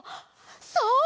そう！